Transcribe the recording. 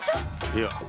いや。